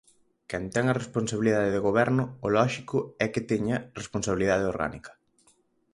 Quen ten a responsabilidade de goberno, o lóxico é que teña responsabilidade orgánica.